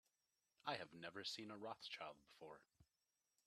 I have never seen a Rothschild before.